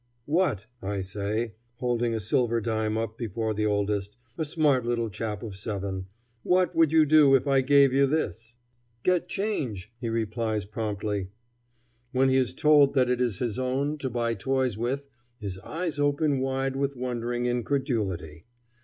"What," I say, holding a silver dime up before the oldest, a smart little chap of seven "what would you do if I gave you this?" "Get change," he replies promptly. When he is told that it is his own, to buy toys with, his eyes open wide with wondering incredulity.